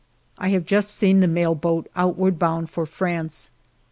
I have just seen the mail boat outward bound for France.